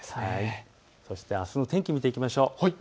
あすの天気を見ていきましょう。